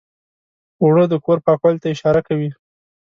اوړه د کور پاکوالي ته اشاره کوي